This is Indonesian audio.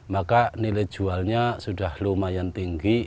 maka nilai jualnya sudah lumayan tinggi